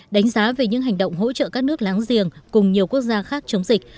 đánh giá về những hành động hỗ trợ các nước láng giềng cùng nhiều quốc gia khác chống dịch